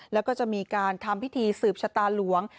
แล้วก็จะมีการทำพิธีสืบชะตาหลวง